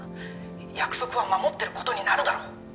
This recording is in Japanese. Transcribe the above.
約束は守ってることになるだろう！